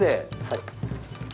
はい。